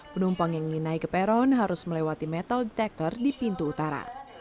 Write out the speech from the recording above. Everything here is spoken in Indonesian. penumpang yang ingin naik ke peron harus melewati metal detector di pintu utara